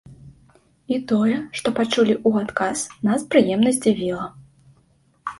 І тое, што пачулі ў адказ, нас прыемна здзівіла.